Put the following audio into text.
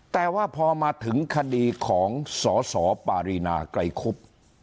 แต่ว่าพอมาถึงคดีของสสปารีนาไกรคุบ